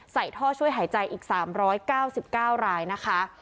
ใส่ท่อช่วยหายใจอีก๓๙๙รายนะคะ